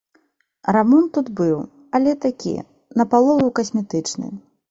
Рамонт тут быў, але такі, напалову касметычны.